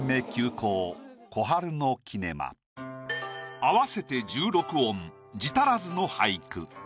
合わせて１６音字足らずの俳句。